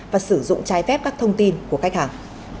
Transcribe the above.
và sử dụng trái phép các thông tin của khách hàng